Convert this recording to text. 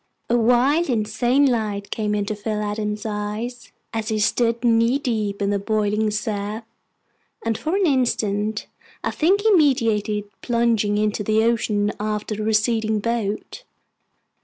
A wild, insane light came into Phil Adams's eyes, as he stood knee deep in the boiling surf, and for an instant I think he meditated plunging into the ocean after the receding boat.